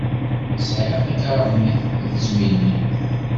Sεiɣ takarnit i tezmilin.